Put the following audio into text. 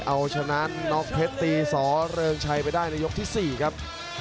เอาชนะน็อกเพชรตีสอเริงชัยไปได้ในยกที่๔ครับ